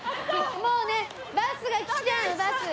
もうねバスが来ちゃうバス。